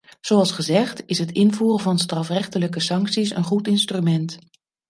Zoals gezegd, is het invoeren van strafrechtelijke sancties een goed instrument.